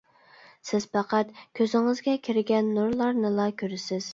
سىز پەقەت كۆزىڭىزگە كىرگەن نۇرلارنىلا كۆرىسىز.